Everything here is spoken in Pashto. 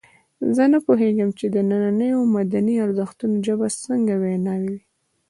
زه نه پوهېږم چې د نننیو مدني ارزښتونو ژبه څنګه وینا وي.